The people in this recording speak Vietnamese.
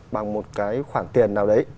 bằng một cái khoản tiền nào đấy